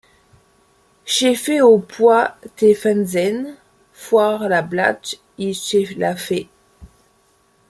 Che fais au pois te Finzennes, foir la blace i che l’ai fue !…